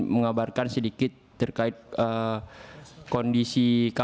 dan berada di del riang